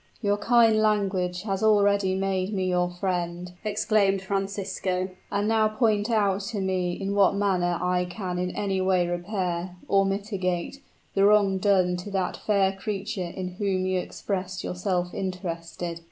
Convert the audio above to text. "Your kind language has already made me your friend," exclaimed Francisco. "And now point out to me in what manner I can in any way repair or mitigate the wrong done to that fair creature in whom you express yourself interested."